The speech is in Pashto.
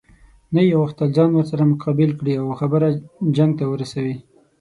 نه یې غوښتل ځان ورسره مقابل کړي او خبره جنګ ته ورسوي.